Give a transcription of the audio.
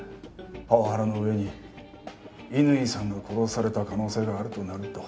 パワハラの上に乾さんが殺された可能性があるとなると。